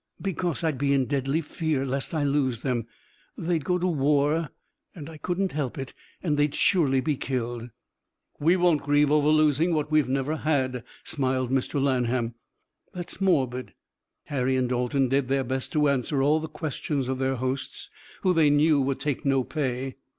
"Because I'd be in deadly fear lest I lose them. They'd go to the war I couldn't help it and they'd surely be killed." "We won't grieve over losing what we've never had," smiled Mr. Lanham. "That's morbid." Harry and Dalton did their best to answer all the questions of their hosts, who they knew would take no pay.